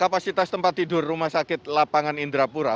kapasitas tempat tidur rumah sakit lapangan indrapura